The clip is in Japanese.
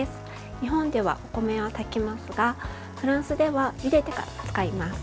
日本では、お米は炊きますがフランスではゆでてから使います。